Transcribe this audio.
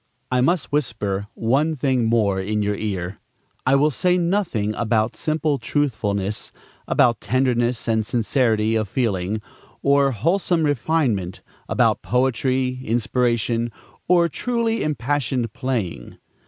I must whisper one thing more in your ear. I will say nothing about simple truthfulness, about tenderness and sincerity of feeling, or wholesome refinement, about poetry, inspiration, or truly impassioned playing.